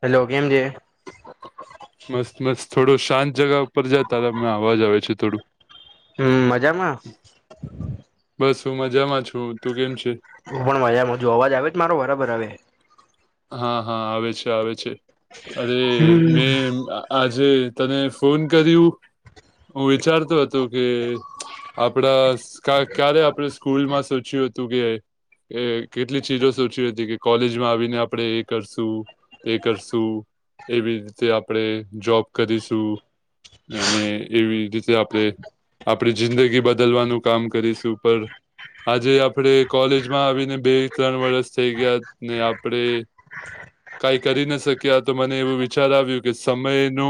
Hello કેમ છે મસ્ત મસ્ત થોડું શાંત જગા ઉપર જતા રહો અમે અવાજ આવે છે થોડું હમ મજામાં બસ હું મજામાં છું તું કેમ છે હું પણ મજામાંજું અવાજ આવે જ મારો બરાબર આવે હા હા આવે છે આવે છે અરે મેં આજે તને ફોન કર્યું હું વિચારતો હતો કે આપડા ક્યારે આપણે સ્કૂલમાં સોચ્યું હતું કે એ કેટલી ચીજો સોચી હતી કે કોલેજમાં આવીને આપડે એ કરશું તે કરશું એવી રીતે આપણે જોબ કરીશું અને એવી રીતે આપણે આપણી જિંદગી બદલવાનું કામ કરીશું ઉપ આજે આપડે કોલેજમાં આવીને બે ત્રણ વરષ થઈ ગયા ને આપડે કઈ કરી ના શક્યા તો મને એવું વિચાર આવ્યું કે સમય ન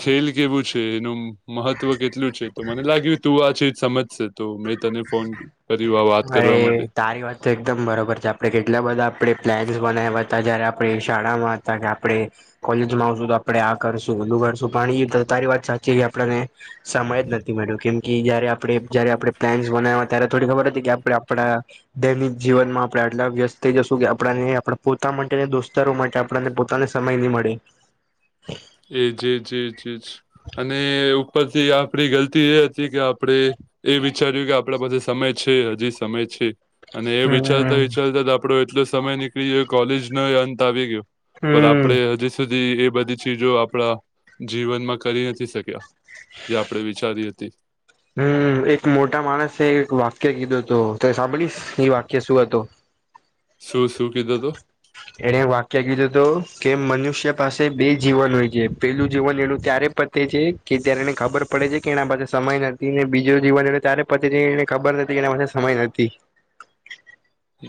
ખેલ કેવું છે એનું મહત્વ કેટલું છે તો મને લાગ્યું તું આ છેજ સમજશે તો મેં તને ફોન કર્યું આ વાત કરવા અરે માટે તારી વાત એકદમ બરોબર છે આપડણે કેટલા બધા આપણે પ્લાન્સ બનાવ્યા હતા જયારે આપણે શાળામાં હતા કે આપડણે કોલેજમાં આવશું તો આપડે આ કરશું બધું કરશું પણ એ તારી વાત સાચી છે આપડને સમય જ નથી મળ્યો કેમ કે જયારે આપડે જયારે આપડે પ્લાન્સ બનાવ્યા ત્યારે થોડી ખબર હતી કે આપણે આપણા દૈનિક જીવનમાં આપણે આટલા વ્યસ્ત થઈ જશું કે આપ આપ પોતા માટે દોસ્તારો માટે આપણને પોતાને સમય નહી મળે એ જી જી જી જ અને ઉપરથી આપડી ગલતી એ હતી કે આપડે એ વિચાર્યું કે આપણા પાસે સમય છે હજી સમય છે અને એ હમ વિચારતા વિચારતા જ આપડો એટલો સમય નીકળી ગયો કોલેજ ન અંત આવી ગયો પણ હમ આપડે હજી સુધી એ બધી ચીજો આપણા જીવનમાં કરી નથી શક્યા જે આપણે વિચારી હતી હમ એક મોટા માણસે એક વાક્ય કીધું હતું તો સાંભળીશ એ વાક્ય શું હતું શું શું કીધું તો એણે વાક્ય કીધું હત કે મનુષ્ય પાસે બે જીવન હોય છે પેલું જીવન એનુંું ત્યારે પ તે છે કે ત્યારે એને ખબર પડે છે કે એના પાસે સમય નથી ને બીજો જીવન ત્યારે પછીને ખબર નથી એના પાસે સમય નથી હ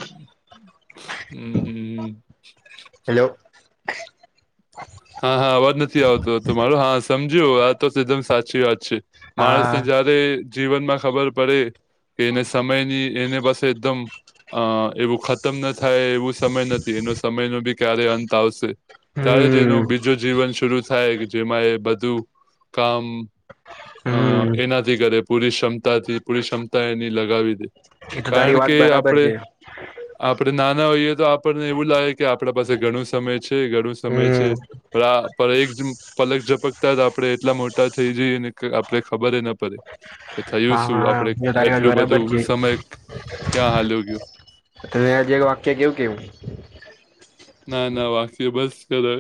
હમ હમ હ હેલોલો હા હા અવાજ નથી આવતો હતો મારો હા સમજ્યું આ તો એકદમ સાચી વાત છે માણસને હા જારે જીવન માં ખબર પડે કે એને સમય ની એને બસે એકદમ અ એવું ઉતમ ન થાય એવું સમય નથી એનો સમય ન બી ક્યારે અંત આવશે ત્યારે જે ન હમ બીજો જીવન શરુ થાય કે જેમાં એ બધું કામ અ હમ એનાથી કરે પૂરી ક્ષમતાથી પૂરી ક્ષમતા એની લગાવી દે એ તો તારી કારણ વાત કે બરાબર આપડે છે આપડણે નાના હોઈએ તો આપણને એવું લાગે કે આપડા પાસે ઘણું સમય છે ઘણું સમય છે હમ પણ એક પલક ઝપકતા જ આપડે એટલા મોટા થઈ જઈએ ને આપડે ખબરડ એ થયું હા શું હા આપડે એ તો તારી વાત એટલું બરાબર બધું છે સમય ક્યાં હાલ્યો ગયો ત આ જે વાક્ય કેવું કેવું ના ના વાગસી બસ કરવે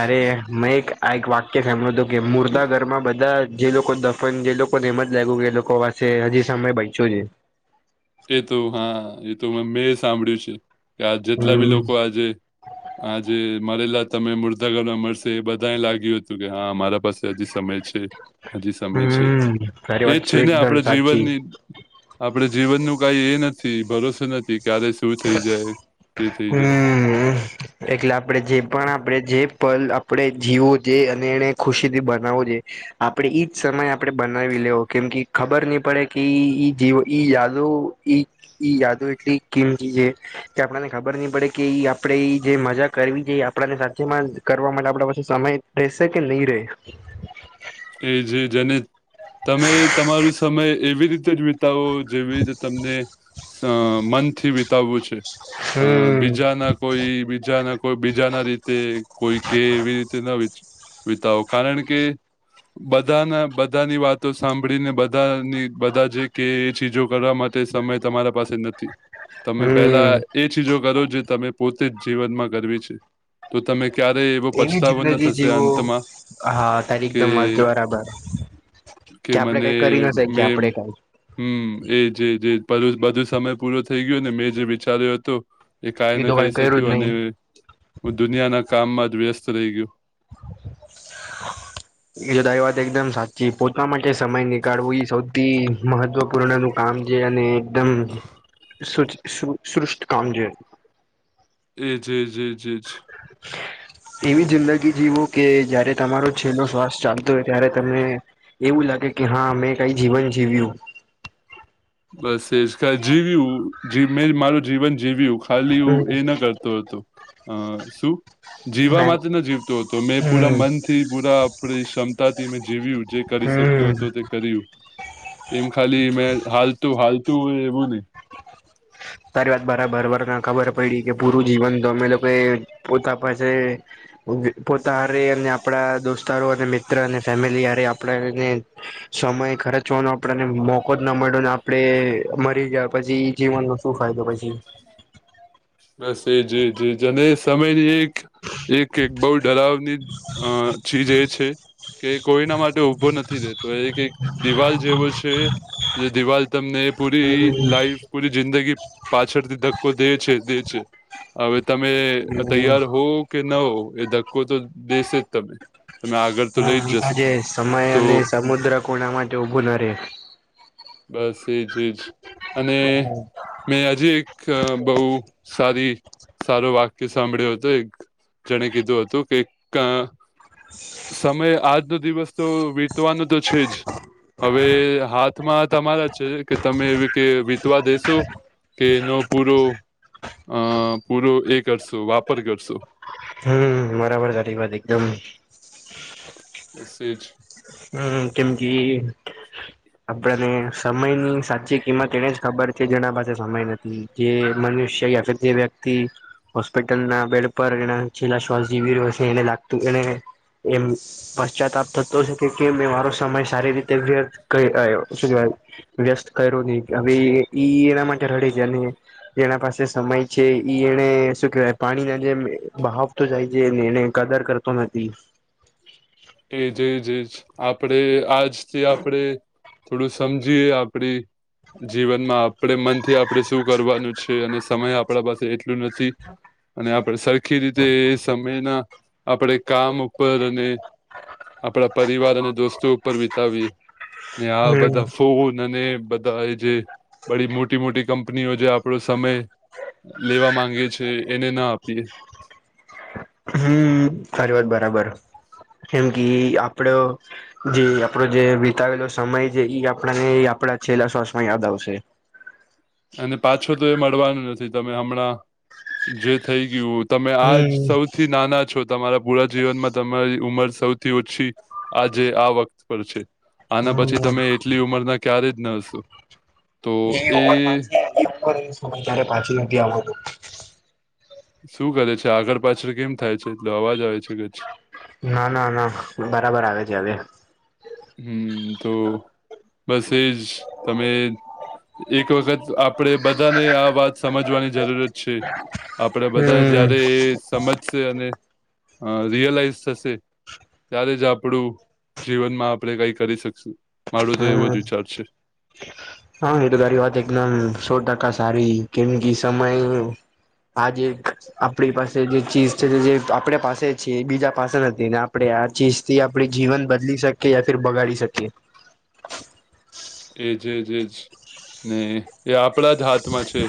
અરે મેં એક આ એક વાક્ય સાભ્યું હતું કે મુર્દા ઘરમાં બધા જે લોકો દફન જે લોકોને એમ જ લાગ્યું કે એ લોકો પાસે હજી સમય બચ્યો છે એ તો હા એ તો મેં સાંભળ્યું છે કે આ જેટલા બી હમ લોકો આજે આજે મળરેલા તમે મુર્દાાગરમાં મળશે એ બધા લાગ્યું હતું કે હા મારા પાસે હજી સમય છે હજી સમય છે હમ તારી એજ વાત છે ને એકદમ આપણે સાચી જીવનની આપડે જીવન નું કઈ એ નથી ભરોસો નથી તે ક્યારે શું થઈ જાય કે થઇ જાય હમ એટલે આપણે જે પણ આપણે જે પલ આપણે જીવો જે અને એને ખુશી થી બનાવો જોઈ આપડણે એઈજ સમય આપણે બનાવી લેવ કેમ કે ખબર નહી પડે કે જીવ ઈ યાદો ઈ યાદો એટલી કિંમતી છે કે આપણને ખબર નહી પડે કે આપણેે જે મજા કરવી છેઈ આપને સાથેમાં કરવા માટે આપણા પાસે સમય રહેશે કે નહીં રહે એ જેજને તમે તમારું સમય એવી રીતે જ તા જેવીી તમને મનથી વિતાવવું છે અ હમ બીજા ના કોઈ બીજ બીજા કોઈ બીજા ના રીતે કોઈ કે એવી રીતે ના વિતાવો કારણ કે બધાના બધાની વાતો સાંભળીને બધાની બધા જે કે એ ચીજો કરવા માટે તે સમય તમારા પાસે નથી તમે પહેલા હમ એ ચીજો કરો જે તમે પોતે જ જીવનમાં કરવી છે તો તમે ક્યારે એવો એવી પછતાવો ન જિંદગી થશે જીવો અંતમાં. હા તારી કે એકદમ વાત બરાબર કે આપડે કઈ કરી ના શકી કે મેં આપડે કઈ. હમ એ એ એ બધું સમય પૂરું થઈ ગયો ને મેં જે વિચાર્યો હતું એ કાઈ ન તો કઈ કહી કર્યું શક્યું જ અને નહી હું દુનિયાના કામમાં જ વ્યસ્ત રહી ગયું. [inaudible] એ જો તારી એ વાત એકદમ સાચી પોતા માટે સમય નીકાળવો એ સૌથી મહત્વપૂર્ણનું કામ છે અને એકદમ શૃષ્ટ કામ છે. એજ, એજ, એજ, એજ. એવી જિંદગી જીવો કે જયારે તમારો છેલ્લો શ્વાસ ચાલતો હોય ત્યારે તને એવું લાગે કે હા મેં કાઈ જીવન જીવ્યું. બસ એજ જીવ્યું મે મારું જીવન જીવ્યું ખાલી હું હમ એ ના કર તો હતો અ શું? જીવવા માટે ન જીવતો હતો મેં પૂરા હમ મનથી પૂરા આપણી ક્ષમતાથી મેં જીવ્યું જે કરી શક હમ હતો તે કર્યું એમ ખાલી મે હાલતું હાલતું હોય એવું નહીં. તારી વાત બરાબર વર ખબર પડી કે પૂરું જીવન તો અમે લોકો પોતા પાસે પોતા હારે અને આપડા દોસ્તારો અને મિત્ર અને ફેમિલી હારે આપણાને સમય ખર્ચવાનો આપડને મોકો જ ના મળ્યોને આપણે મરી ગયા પછી જીવન શું ફાયદો પછી? બસ એજ, એજ, એજ અને સમયની એક એક એક બહું ડરાવની અ ચીજ એ છે કે કોઈના માટે ઉભો નથી રહેેતો એક દિવાલ જેવો છે જે દિવાલ તમને પૂરી હમ લાઈફ પૂરી જિંદગી પાછળથી ધક્કો દે છે દે છે. હવે તમે હમ તૈયાર હો કે ન હો ધક્કો તો દેસે જ તમે તમે આગળ તો લઈ હમ જ જશે આજે સમય તો અને સમુદ્ર કોના માટે ઉભું ન રહે. બસ એજ એજ અને મેં આજે એક બહું સારી સારું વાક્ય સાંભળ્યું હતો એક જેણે કીધું હતું કે ક સમય આજનો દિવસ તો વીતવાનો તો છે જ હવે હાથ માં તમારા છે કે તમે એવી કે વિતવા દેશો કે એનો પૂરો અ પૂરો એ કરશો વાપર કરશો. હમ બરાબર તારી વાત એકદમ. બસ એજ. હમ કેમ કે આપડને સમયની સાચી એમાં તેને જ ખબર છે જેના પાસે સમય નથી જે મનુષ્ય યા જે વ્યક્તિ હોસ્પિટલના બેડ પર એ છેલ્લા શ્વાસ જીવી રહ્યો છે એને લાગતું એને એમ પશ્ચાતાપ થતો છે. કે કે મેં મારો સમય સારી રીતે વ્યર્થ કરીયો શુ વ્યસ્ત કર્યો નહીં હવે ઈ એના માટે રડે છે અને એના પાસે સમય છે એને શું કેહેવાય પાણીના જે બાવ તો જાય છેે એને કદર કરતો નથી. એજ એજ એજ આપડે આજથી આપડે થોડું સમજીએ આપડી જીવનમાં. આપણે મનથી આપણે શું કરવાનું છે અને સમય આપણા પાસે એટલું નથી અને આપણે સર આખી રીતે સમયના આપણે કામ ઉપર અને આપણા પરિવાર અને દોસ્તો ઉપર વિતાવી ને આ હમ બધા [unintelligible] અને બધા એ જે બડી મોટી મોટી કંપનીઓ જે આપણો સમય લેવા માંગે છે એને ના આપીએ. હમ તારી વાત બરાબર કેમ કે આપડ જે આપડો જે વિતાવેલો સમય છે આપણાને આપડા છેલ્લા શ્વાસમાં યાદ આવશે. અને પાછો તો, એ મળવાનું નથી તમે હમણાં જે થઈ ગયું તમે આ હમ્મ સૌથી નાના છો, તમારા પૂરા જીવનમાં તમારી ઉંમર સૌથી ઓછી આજે આ વખત પર છે. આના પછી તમે હમ્મ એટલી ઉંમરના ક્યારે જ, ન હશો તો એ કરે સમય ત્યારે પાછી નથી આવતોું શું કરે છે આગળ પાછળ કેમ થાય છે. એટલે અવાજ આવે છે કચ્છ ના, ના, ના બરાબર આવે છે હવે હમ તો બસજ તમે. એક વખત આપણેે બધાને. આ વાત સમજવાની જરૂરત છે. આપણે બધાને હમ્મ. જયારે એ, સમજશે અને. અ રિયલાઈઝ થશે ત્યારે જ આપણું જીવનમાં આપડે કઈ કરી શકશું મારોું તો એવો જ હમ્મ વિચાર છે. હા એ તો તારી વાત એકદમ સો, ટકા સારી કેમ કે સમય હાજ આપણી પાસે જે ચીજ છે, જે આપે પાસે છે એ બીજા પાસે નથી ને આપડે આ ચીજ થી આપડી જીવન બદલી શકીએ યા ફર બગાડી શકીએ એજજ એજ ને એ આપ આપડા જ હાથમાં છે.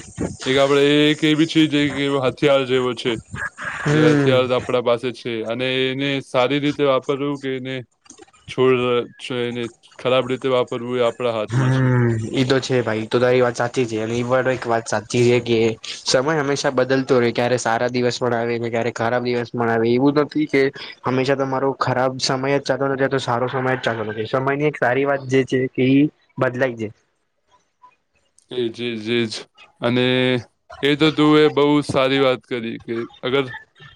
એક આપડે એવી છેી હથિયાર જેવો છે. જે હમ્મ. હથળથ આપણા પાસે છે. અને એને સારી રીતે વાપરવું કે એને છોડ એને ખરાબ રીતે વા પર હમ ઈ તો છે ભાઈ તો તારી વાત સાચી છે. અને એવા એક વાત સાચી છે. કે સમય હંમેશા બદલતો રહે ક્યારે સારા દિવસ મળાવ છે. જ્યારે ખરાબ દિવસ મ આવે એવું નથી કે હંમેશા તમારો ખરાબ સમય જ ચાલતો નથી તો સારો સમય જ ચાલતો નથી સમયની એક સારી વાત જે છે કે બદલાય જ એ જી, જીજ અને એ તો, તું એ બહુ સારી વાત કરી કે અગર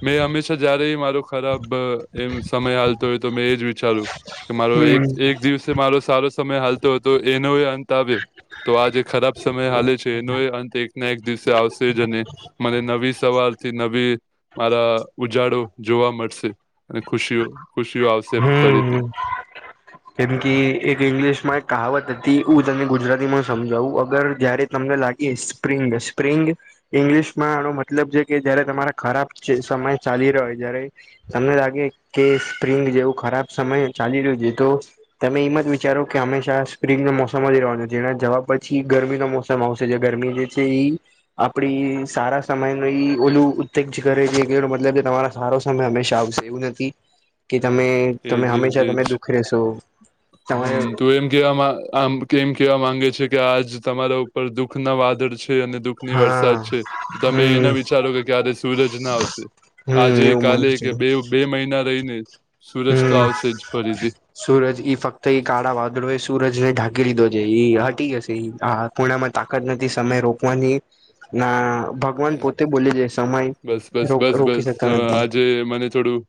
મેં હંમેશા જ્યારે મારો ખરાબ એમ સમય હાલ તો, તો મેં એ જ વિચાર્યું કે મારો એક હમ એક દિવસ મારો સારો સમય ચાલતો હતો એનો અંત આવ્યો તો આજ ખરાબ સમય હાલે છે એનો અંત એક, ના એક દિવસે આવશે જ અને મને નવી સવાર થી, નવી મારા ઉજાડો જોવા મળશે, અને ખુશીઓ ખુશીઓ આવશે હમ્મ ફરીથી હ કેમ કે એક ઇંગ્લિશ માં એક કહાવત હતી હું તમને ગુજરાતી માં સમજાવું અગર જયારે તમને લાગે. એ સ્પ્રિંગ, સ્પ્રિંગ ઈંગ્લિશમાંનો મતલબ છે. કે જયારે તમારા ખરાબ સમય ચાલી રહ્યો જય્યારે તમને લાગે, કે સ્પ્રિંગ જેવું ખરાબ સમયે ચાલી રો દીધુ તમે એમ જ વિચારો કે હંમેશા સ્પ્રિંગનો મોસમ, જ રહવાનો જેના જવાબ પછી ગરમીનો મોસમ સમ આવશે જે, ગરમી જે છે ઈ આપડી સારા સમયની ઓલું ઉત્તેજ, કરે જે એનો મતલબ જે તમારા સારો સમય હંમેશા આવશે, એવું નથી કે તમે એ તમે જે હંમેશા જે તમે જ દુઃખ રેશો. હમ, તો એમ કેવામા આમ કેમ કેવા માંગે છે. કે આજ તમારા ઉપર દુઃખના વાદળ છે અને દુઃખ ની હા વરસાદ છે, તમે હમ એના વિચારો કે ક્યારે સૂરજના આવશે હમ આજે એવું કાલે માનું છે કે બેવ બે મહિના રહીને સૂરજ તો હમ આવશે જ ફરીથી. સૂરજ ઈ ફક્ત ઈ, કાળા વાદળોએ સૂરજ જેને ઢાંકી લીધો જે, ઈ હટી ગીયો શે ઈ આ આપૂણામાં તાકત નથી સમય રો વાની ના ભગવાન પોતે બોલે જે સમય રો રોકી શકાય નથી. જોયે મને થોડું,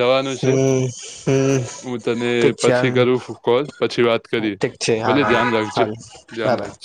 જવાનું છે હમ, હમ હું તને ઠીક છે હાલ, પછી કરું કોલ પછી વાત કરીએ ઠીક છે, ભલે હારુ ધ્યાન હારુ રાખજે હારુ બબ ધ્યાન રાખજે